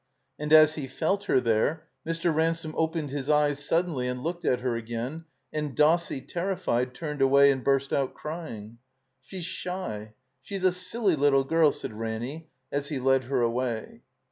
And as he felt her there Mr. Ransome opened his eyes suddenly and looked at her again, and Dossie, terrified, turned away and burst out crying. "She's shy. She's a silly little girl," said Ranny, as he led her away.